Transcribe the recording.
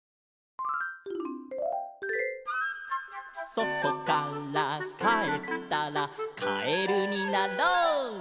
「そとからかえったらカエルになろう」